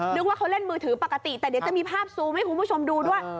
นึกว่าเขาเล่นมือถือปกติแต่เดี๋ยวจะมีภาพซูมให้คุณผู้ชมดูด้วย